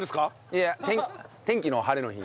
いや天気の「晴れの日」